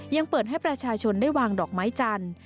ยังเปิดให้ประชาชนได้วางดอกไม้จันทร์